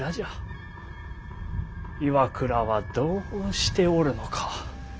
岩倉はどうしておるのか。